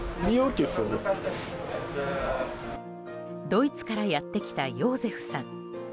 ドイツからやってきたヨーゼフさん。